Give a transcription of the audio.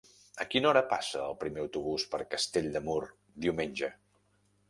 A quina hora passa el primer autobús per Castell de Mur diumenge?